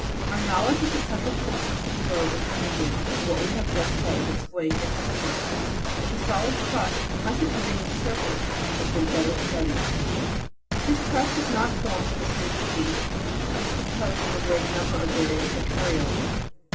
8. Our knowledge of the central portion of the globe is limited to what we have just said of its weight and temperature ; but the solid crust, constituting its surface, has been better studied. 9. This crust is not formed of a single piece, but is composed of a great number of various materials.